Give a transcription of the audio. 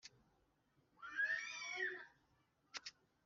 kumanuka kumusozi wibyatsi